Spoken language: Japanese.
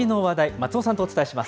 松尾さんとお伝えします。